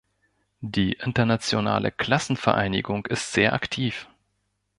Die internationale Klassenvereinigung ist sehr aktiv.